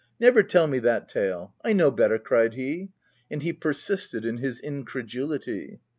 never tell me that tale — I know better," cried he ; and he persisted in his incredulity.